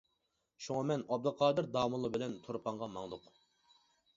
شۇڭا مەن ئابدۇقادىر داموللا بىلەن تۇرپانغا ماڭدۇق.